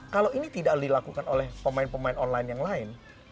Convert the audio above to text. kalau ini tidak dilakukan oleh pemain pemain online yang lain